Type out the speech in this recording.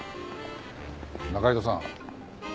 仲井戸さん。